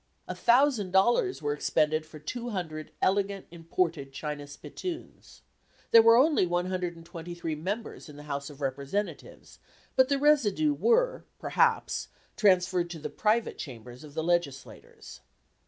A thousand dollars were expended for two hundred elegant imported china spittoons. There were only one hundred and twenty three members in the House of Representatives, but the residue were, perhaps, transferred to the private chambers of the legislators.